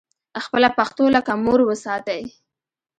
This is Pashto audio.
خپله پښتو لکه مور وساتئ